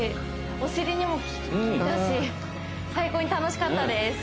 お尻にも効いたし最高に楽しかったです